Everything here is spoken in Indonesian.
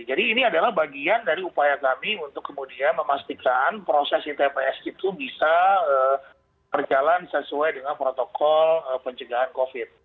jadi ini adalah bagian dari upaya kami untuk kemudian memastikan proses tps itu bisa berjalan sesuai dengan protokol pencegahan covid sembilan belas